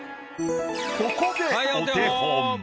ここでお手本。